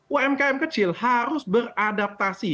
umkm kecil harus beradaptasi